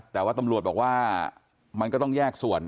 แต่ว่าตำรวจบอกว่ามันก็ต้องแยกส่วน